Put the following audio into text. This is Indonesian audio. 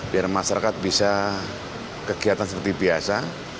biar masyarakat bisa kegiatan seperti biasa